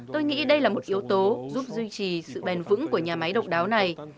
tôi nghĩ đây là một yếu tố giúp duy trì sự bền vững của nhà máy độc đáo này